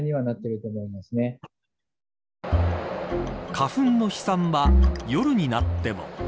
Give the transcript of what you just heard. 花粉の飛散は夜になっても。